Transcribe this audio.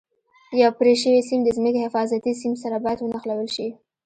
یو پرې شوی سیم د ځمکې حفاظتي سیم سره باید ونښلول شي.